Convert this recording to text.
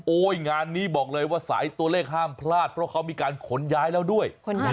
งานนี้บอกเลยว่าสายตัวเลขห้ามพลาดเพราะเขามีการขนย้ายแล้วด้วย